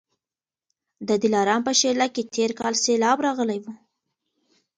د دلارام په شېله کي تېر کال سېلاب راغلی و